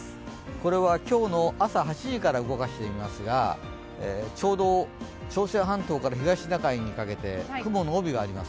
これは今日の朝８時から動かしていきますがちょうど朝鮮半島から東シナ海にかけて雲の帯があります。